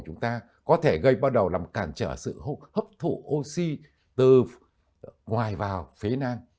chúng ta có thể gây bắt đầu làm cản trở sự hấp thụ oxy từ ngoài vào phế năng